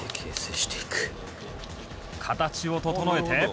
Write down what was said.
「形を整えて」